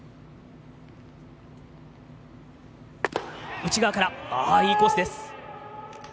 内側からいいコースです。